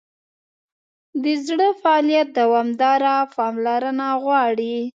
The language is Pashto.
د زړه فعالیت دوامداره پاملرنه غواړي.